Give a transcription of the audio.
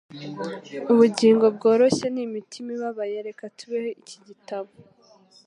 Ubugingo bworoshye n'imitima ibabaye reka tubeho iki gitabo